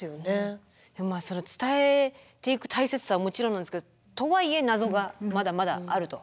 その伝えていく大切さはもちろんなんですがとはいえ謎がまだまだあると。